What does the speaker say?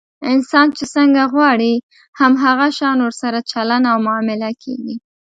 انسان چې څنګه غواړي، هم هغه شان ورسره چلند او معامله کېږي.